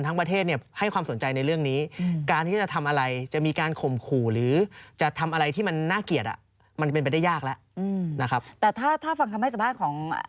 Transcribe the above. แต่ถ้าฟังคำให้สภาพของ